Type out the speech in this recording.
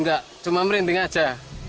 nggak cuma merinding aja